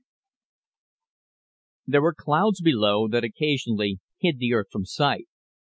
V There were clouds below that occasionally hid the Earth from sight.